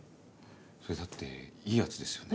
それだっていいやつですよね。